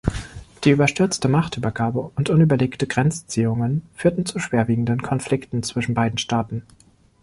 Die überstürzte Machtübergabe und unüberlegte Grenzziehungen führten zu schwerwiegenden Konflikten zwischen beiden Staaten.